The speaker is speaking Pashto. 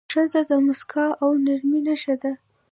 ښځه د موسکا او نرمۍ نښه ده.